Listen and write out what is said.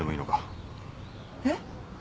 えっ？